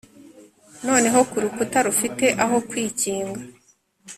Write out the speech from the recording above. Noneho kurukuta rufite aho kwikinga